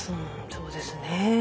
そうですね。